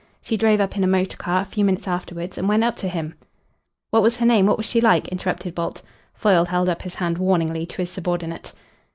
She drove up in a motor car a few minutes afterwards and went up to him." "What was her name? What was she like?" interrupted Bolt. Foyle held up his hand warningly to his subordinate.